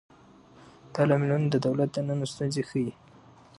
دا لاملونه د دولت دننه ستونزې ښيي.